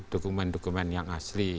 dokumen dokumen yang asli